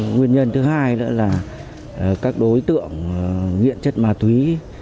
nguyên nhân thứ hai nữa là các đối tượng nghiện chất ma túy